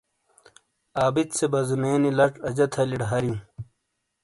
عابد سے بازونے نی لچ اجہ تھلیئ ڈے ہاریوں۔